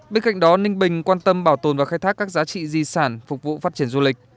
bên cạnh đó ninh bình quan tâm bảo tồn và khai thác các giá trị di sản phục vụ phát triển du lịch